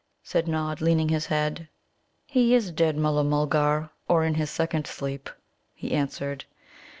said Nod, leaning his head. "He is dead, Mulla mulgar, or in his second sleep," he answered.